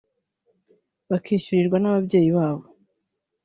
bakishyurirwa n’ababyeyi babo